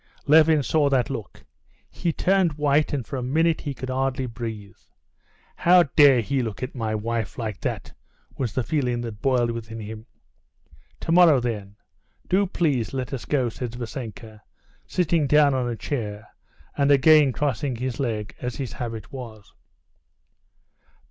Levin saw that look. He turned white, and for a minute he could hardly breathe. "How dare he look at my wife like that!" was the feeling that boiled within him. "Tomorrow, then? Do, please, let us go," said Vassenka, sitting down on a chair, and again crossing his leg as his habit was.